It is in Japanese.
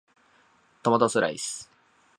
トマトスライス